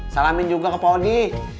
salamin juga ke paudi